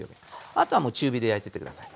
あとはもう中火で焼いてって下さい。